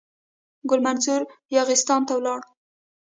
ګل منصور یاغستان ته ولاړ.